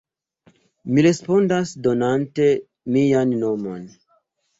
Mi respondas donante mian nomon.